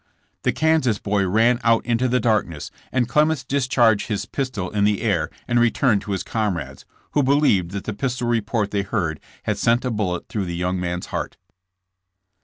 '* The Kansas boy ran out into the darkness, and Clements discharged his pistol in the air and re turned to his comrades, who believed that the pistol report they heard had sent a bullet through the young man's heart.